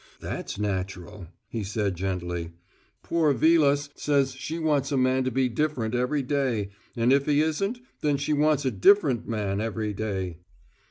That's natural," he said gently. "Poor Vilas says she wants a man to be different every day, and if he isn't, then she wants a different man every day."